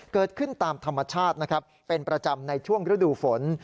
เกิดขึ้นตามธรรมชาตินะครับเป็นประจำในช่วงฤดูฝน